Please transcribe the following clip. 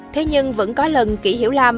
thế nhưng vẫn có lần kỷ hiểu lam